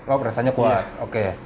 oh press nya kuat oke